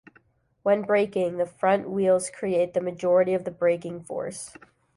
When braking, the front wheels create the majority of the braking force.